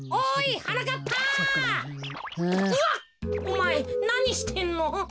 おまえなにしてんの？